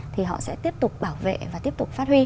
thì họ sẽ tiếp tục bảo vệ và tiếp tục phát huy